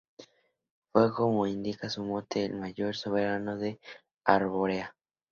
Fue, como indica su mote, el mayor soberano de Arborea.